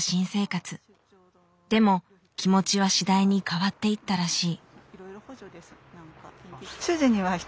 でも気持ちは次第に変わっていったらしい。